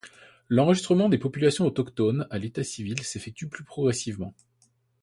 L'enregistrement des populations autochtones à l'état civil s'effectue plus progressivement.